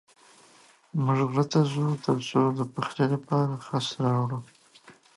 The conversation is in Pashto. موږ غره ته ځو تر څو د پخلي لپاره خس راوړو.